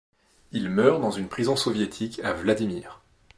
Il meurt dans une prison soviétique à Vladimir.